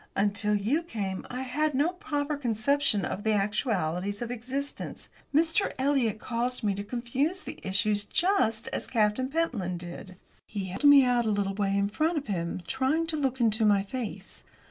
Until you came I had no proper conception of the actualities of existence. Mr. Eliot caused me to confuse the issues just as Captain Pentland did." He held me out a little way in front of him, trying to look into my face.